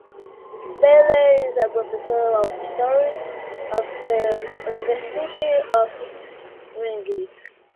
Bailey is a professor of History at the University of Winnipeg.